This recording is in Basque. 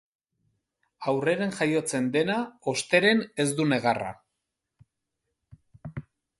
Aurreren jaiotzen dena osteren ez du negarra.